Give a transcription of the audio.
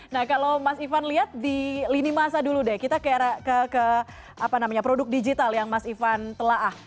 nah kalau mas ivan lihat di lini masa dulu deh kita ke produk digital yang mas ivan telah